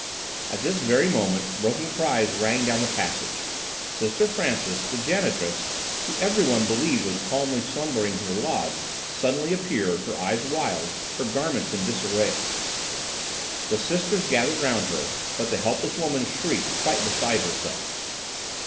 At this very moment broken cries rang down the passage. Sister Frances, the janitress, who everyone believed was calmly slumbering in her lodge, suddenly appeared, her eyes wild, her garments in disarray. The sisters gathered round her, but the helpless woman shrieked, quite beside herself.